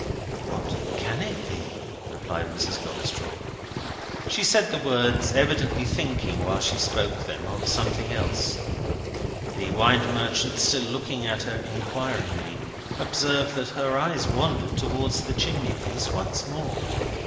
"What can it be?" repeated Mrs. Goldstraw. She said the words, evidently thinking while she spoke them of something else. The wine merchant, still looking at her inquiringly, observed that her eyes wandered towards the chimney piece once more.